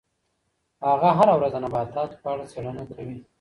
هغه هره ورځ د نباتاتو په اړه څېړنه کوي.